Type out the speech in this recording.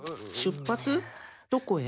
どこへ？